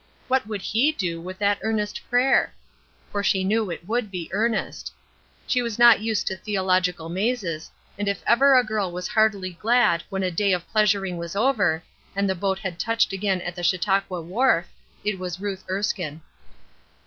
What would He do with that earnest prayer? For she knew it would be earnest. She was not used to theological mazes, and if ever a girl was heartily glad when a day of pleasuring was over, and the boat had touched again at the Chautauqua wharf, it was Ruth Erskine.